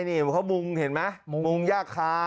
พี่เบิ้ดเขามงเห็นไหมมูงหญ้าค้า